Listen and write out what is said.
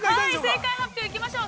◆正解発表行きましょう。